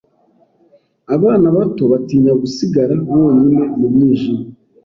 Abana bato batinya gusigara bonyine mu mwijima.